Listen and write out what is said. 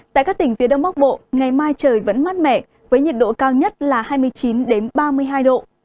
tại các tỉnh phía đông bắc bộ ngày mai trời vẫn mát mẻ với nhiệt độ cao nhất là hai mươi chín ba mươi hai độ